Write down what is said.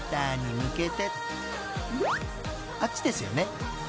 ［あっちですよね？］